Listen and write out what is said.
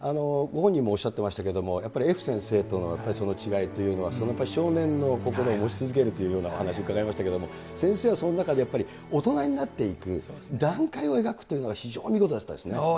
ご本人もおっしゃっていましたけど、やっぱりＦ先生との違いというのは、少年の心を持ち続けるというようなお話伺いましたけれども、先生はその中でやっぱり、大人になっていく段階を描くというのが、非常に見事でしたですね。